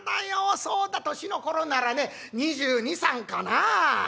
そうだ年の頃ならね２２２３かなあ？